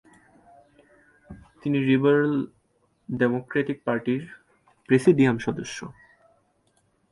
তিনি liberal democratic পার্টির presidium সদস্য।